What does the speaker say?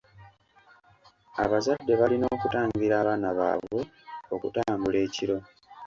Abazadde balina okutangira abaana baabwe okutambula ekiro.